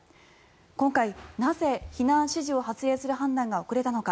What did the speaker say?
今回、なぜ避難指示を発令する判断が遅れたのか。